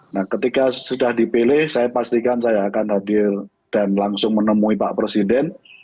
nah ketika sudah dipilih saya pastikan saya akan hadir dan langsung menemui pak presiden